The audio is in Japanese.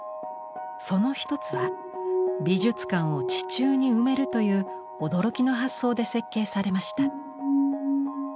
その一つは美術館を地中に埋めるという驚きの発想で設計されました。